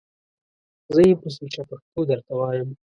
زه یې په سوچه پښتو درته وایم!